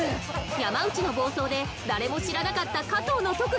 山内の暴走で誰も知らなかった加藤の特技が覚醒！